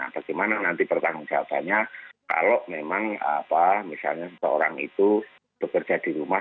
bagaimana nanti pertanggung jawabannya kalau memang misalnya seseorang itu bekerja di rumah